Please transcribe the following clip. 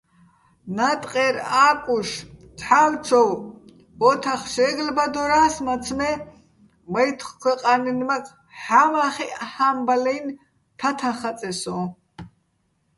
ნატყერ ა́კუშ ცჰ̦ა́ვჩოვ ო́თახ შე́გლბადორა́ს, მაცმე́ მაჲთხქვეყა́ნაჲნმაქ ჰ̦ამა́ხეჸ ჰა́მბალაჲნი̆ თათაჼ ხაწეჼ სო́ჼ.